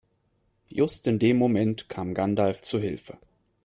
Just in dem Moment kam Gandalf zu Hilfe.